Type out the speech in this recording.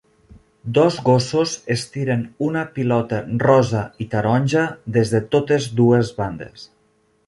Dos gossos estiren una pilota rosa i taronja des de totes dues bandes.